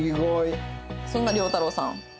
そんな遼太郎さん。